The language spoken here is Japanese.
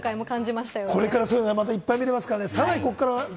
これからいっぱい見られますからね。